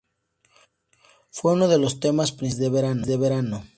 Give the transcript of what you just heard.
Fue uno de los temas principales del verano.